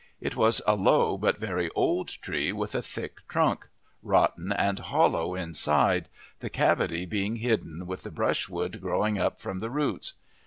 It was a low but very old tree with a thick trunk, rotten and hollow inside, the cavity being hidden with the brushwood growing up from the roots.